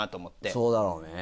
そうだろうね。